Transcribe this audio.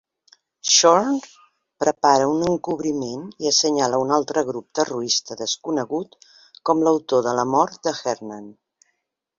Shorn prepara un encobriment i assenyala un altre grup terrorista desconegut com l'autor de la mort de Hernan.